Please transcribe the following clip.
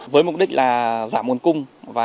với mục đích là giảm nguồn cung